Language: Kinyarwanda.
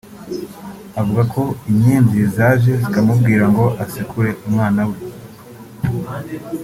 avuga ko ‘inyenzi’ zaje zikamubwira ngo asekure umwana we